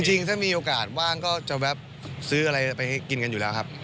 จริงถ้ามีโอกาสว่างก็จะแวะซื้ออะไรไปกินกันอยู่แล้วครับ